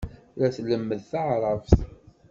La tlemmed taɛṛabt.